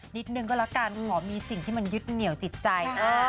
นิดนึงก็แล้วกันขอมีสิ่งที่มันยึดเหนียวจิตใจ